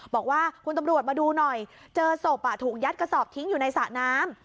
บอกว่าคุณตำรวจมาดูหน่อยเจอศพถูกยัดกระสอบทิ้งอยู่ในสระน้ำ